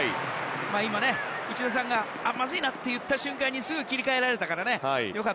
今、内田さんがまずいなと言った瞬間にすぐ切り替えられたから。